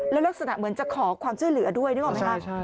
แล้วลักษณะเหมือนจะขอความช่วยเหลือด้วยนึกออกไหมคะ